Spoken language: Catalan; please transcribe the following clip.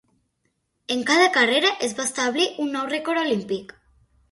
En cada carrera es va establir un nou rècord olímpic.